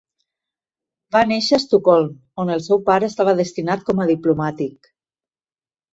Va néixer a Estocolm, on el seu pare estava destinat com a diplomàtic.